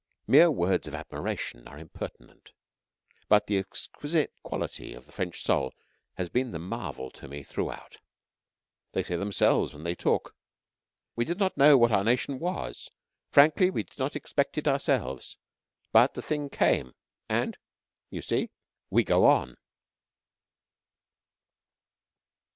Mere words of admiration are impertinent, but the exquisite quality of the French soul has been the marvel to me throughout. They say themselves, when they talk: "We did not know what our nation was. Frankly, we did not expect it ourselves. But the thing came, and you see, we go on."